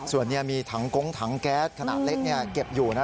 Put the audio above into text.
ส่วนนี้มีถังกงถังแก๊สขนาดเล็กเก็บอยู่นะ